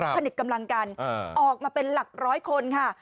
ผนึกกำลังกันออกมาเป็นหลักร้อยคนค่ะ